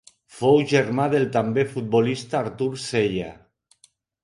Fou germà del també futbolista Artur Cella.